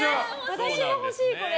私も欲しい、これ。